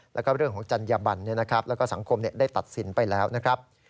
แล้วก็เรื่องของจัญญบันแล้วก็สังคมได้ตัดสินไปแล้วนะครับ